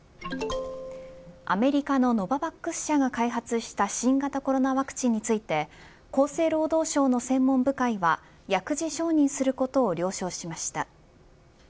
アメリカのノババックス社が開発した新型コロナワクチンについて厚生労働省の専門部会は薬事承認することを了承しました。